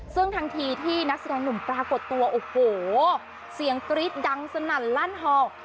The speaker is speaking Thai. ซึ่งทันทีที่นักแสดงหนุ่มปรากฏตัวโอ้โหเสียงกรี๊ดดังสนั่นลั่นฮอล